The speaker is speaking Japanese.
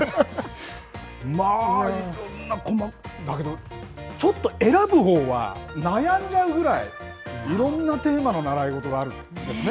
まあいろんな、だけど、ちょっと選ぶほうは、悩んじゃうぐらい、いろんなテーマの習い事があるんですね。